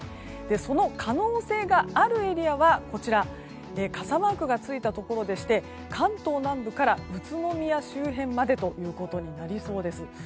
その可能性があるエリアは傘マークがついたところでして関東南部から宇都宮周辺までということになりそうです。